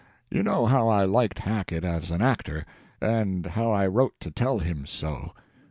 You know how I liked Hackett as an actor, and how I wrote to tell him so.